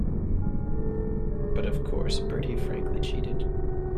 But, of course, Bertie frankly cheated.